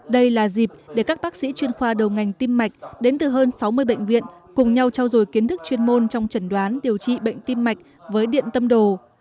đây là dịp để các bác sĩ chuyên khoa đầu ngành tim mạch đến từ hơn sáu mươi bệnh viện cùng nhau trao dồi kiến thức chuyên môn trong trần đoán điều trị bệnh tim mạch với điện tâm đồ